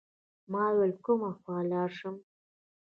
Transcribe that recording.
ما ویل کومه خوا لاړ شم.